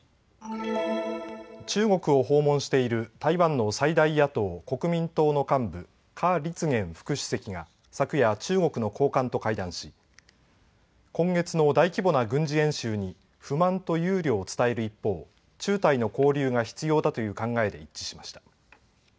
中国を訪問している台湾の最大野党・国民党の幹部、夏立言副主席が昨夜、中国の高官と会談し今月の大規模な軍事演習に不満と憂慮を伝える一方、中台の交流が必要だという考えで一致しました。